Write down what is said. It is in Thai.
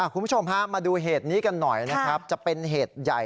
คุณผู้ชมฮะมาดูเหตุนี้กันหน่อยนะครับจะเป็นเหตุใหญ่